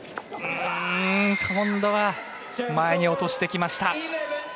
今度は前に落としてきました。